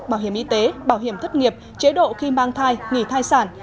bảo hiểm y tế bảo hiểm thất nghiệp chế độ khi mang thai nghỉ thai sản